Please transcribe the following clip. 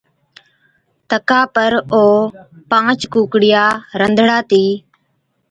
تڪا پر او پانچ ڪُوڪڙِيا رنڌڙاتِي،